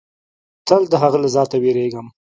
تل د هغه له ذاته وېرېدم.